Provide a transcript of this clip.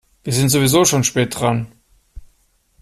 Wir sind sowieso schon spät dran.